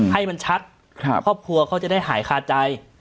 ให้มันชัดครอบครัวเขาจะได้หายคาใจ